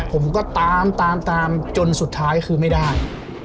ผมก็ตามตามจนสุดท้ายคือไม่ได้